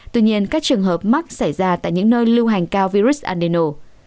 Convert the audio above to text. tuy nhiên các trường hợp mắc xảy ra tại những nơi lưu hành cao virus andeno